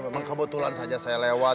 memang kebetulan saja saya lewat